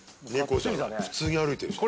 普通に歩いてるじゃん。